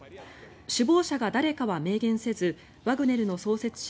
首謀者が誰かは明言せずワグネルの創設者